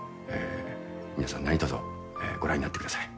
皆さん何とぞご覧になってください。